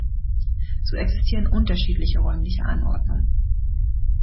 So existieren unterschiedliche räumliche Anordnungen.